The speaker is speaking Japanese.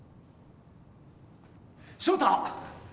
翔太！